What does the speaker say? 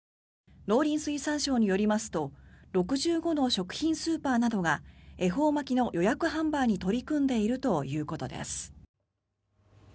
農林水産省によりますと６５の食品スーパーなどが恵方巻きの予約販売に取り組んでいるということです。